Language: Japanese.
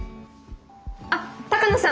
あっ鷹野さん！